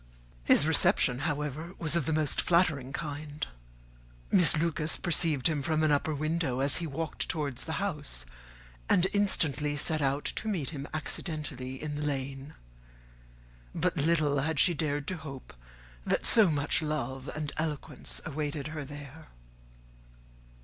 His reception, however, was of the most flattering kind. Miss Lucas perceived him from an upper window as he walked towards the house, and instantly set out to meet him accidentally in the lane. But little had she dared to hope that so much love and eloquence awaited her there.